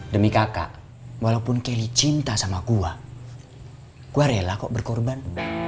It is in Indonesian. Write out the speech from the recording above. demi kakak walaupun kelly cinta sama gua gua rela kok berkorban